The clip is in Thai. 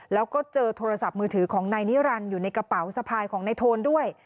แล้วก็เจอโทรศัพท์มือถือของนายนิรันดิ์อยู่ในกระเป๋าสะพายของนายโทนด้วย